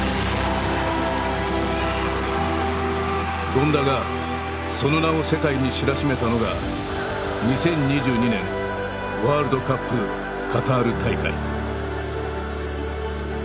権田がその名を世界に知らしめたのが２０２２年ワールドカップ・カタール大会。